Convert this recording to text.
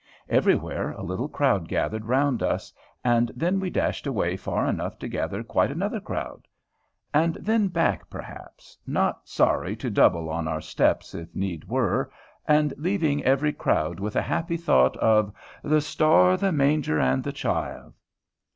Everywhere a little crowd gathered round us, and then we dashed away far enough to gather quite another crowd; and then back, perhaps, not sorry to double on our steps if need were, and leaving every crowd with a happy thought of "The star, the manger, and the Child!"